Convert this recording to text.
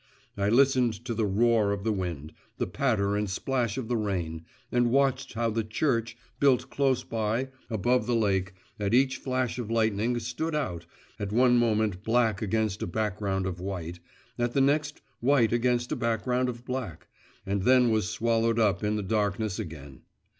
I listened to the roar of the wind, the patter and splash of the rain, and watched how the church, built close by, above the lake, at each flash of lightning stood out, at one moment black against a background of white, at the next white against a background of black, and then was swallowed up in the darkness again.